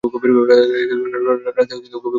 রাতে গভীর ঘুমে আচ্ছন্ন।